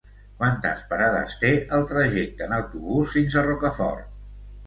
Quantes parades té el trajecte en autobús fins a Rocafort?